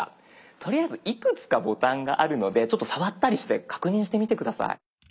とりあえずいくつかボタンがあるのでちょっと触ったりして確認してみて下さい。